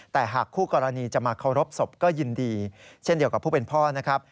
แต่หากคู่กรณีจะมาเคารพศพก็ยินดีเช่นเดียวกับผู้เป็นพ่อนะครับ